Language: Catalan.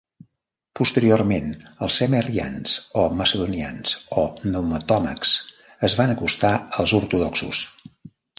Posteriorment els semiarrians o macedonians o pneumatòmacs es van acostar als ortodoxos.